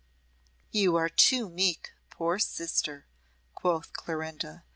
"You are too meek, poor sister," quoth Clorinda.